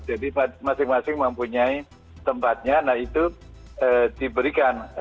jadi masing masing mempunyai tempatnya nah itu diberikan